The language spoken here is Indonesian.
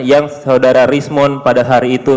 yang saudara rismond pada hari itu